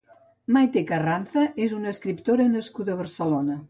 Maite Carranza és una escriptora nascuda a Barcelona.